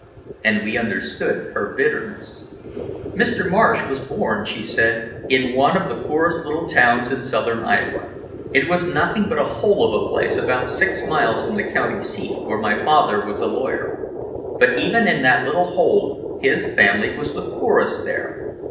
And we understood her bitterness. "Mr. Marsh was born," she said, "in one of the poorest little towns in Southern Iowa. It was nothing but a hole of a place about six miles from the county seat where my father was a lawyer. But even in that little hole his family was the poorest there.